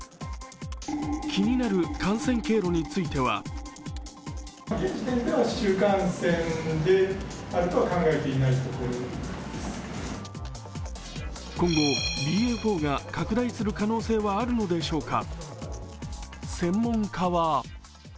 気になる感染経路については今後、ＢＡ．４が拡大する可能性はあるのでしょうか？